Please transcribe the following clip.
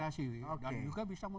dan juga bisa meminta